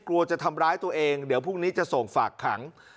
กลัวจะทำร้ายตัวเองเดี๋ยวพรุ่งนี้จะส่งฝากขัง